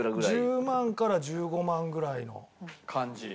１０万から１５万ぐらいの感じ。